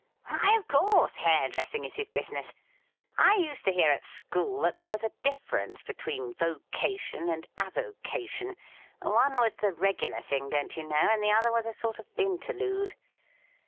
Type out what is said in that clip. ' Why, of course hairdressing is his business. I used to hear at school that there was a difference between vocation and avocation — one was the regular thing, don't you know, and the other was a sort of interlude.